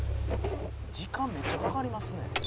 「時間めっちゃかかりますね」